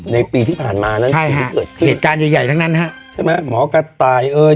ในปีที่ผ่านมาใช่ฮะเหตุการณ์ใหญ่ทั้งนั้นฮะใช่ไหมหมอกระต่ายเอ้ย